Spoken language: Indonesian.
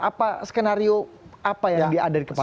apa skenario apa yang dia ada di kepala